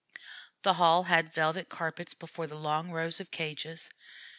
The hall had velvet carpets before the long rows of cages.